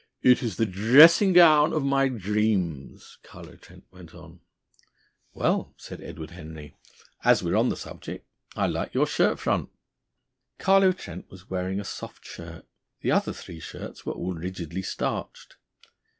"It is the dressing gown of my dreams," Carlo Trent went on. "Well," said Edward Henry, "as we're on the subject, I like your shirt front." Carlo Trent was wearing a soft shirt. The other three shirts were all rigidly starched.